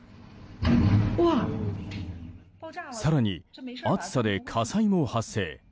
更に、暑さで火災も発生。